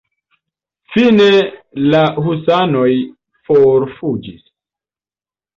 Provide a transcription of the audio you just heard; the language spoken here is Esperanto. Fine la husanoj forfuĝis.